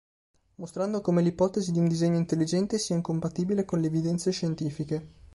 Mostrando come l'ipotesi di un disegno intelligente sia incompatibile con le evidenze scientifiche.